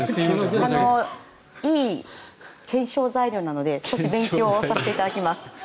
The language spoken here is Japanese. いい検証材料なので少し勉強させていただきます。